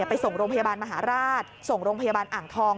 ไปส่งโรงพยาบาลมหาราชส่งโรงพยาบาลอ่างทอง